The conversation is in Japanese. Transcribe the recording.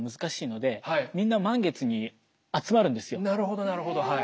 なるほどなるほどはい。